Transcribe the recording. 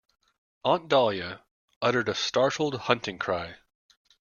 Aunt Dahlia uttered a startled hunting cry.